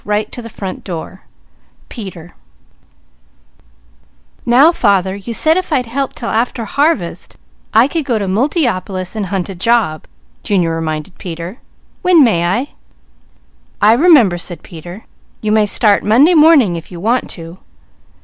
CHAPTER XVII Initiations in an Ancient and Honourable Brotherhood "Now father, you said if I'd help till after harvest, I could go to Multiopolis and hunt a job," Junior reminded Peter. "When may I?" "I remember," said Peter. "You may start Monday morning if you want to.